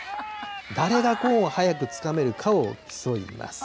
誰がコーンを早くつかめるかを競います。